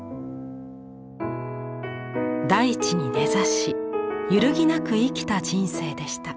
大地に根ざし揺るぎなく生きた人生でした。